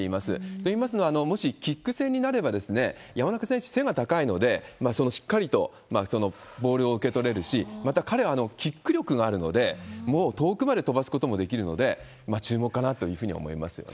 といいますのは、もしキック戦になれば、山中選手、背が高いので、しっかりとボールを受け取れるし、また彼はキック力があるので、もう遠くまで飛ばすこともできるので、注目かなというふうに思いますよね。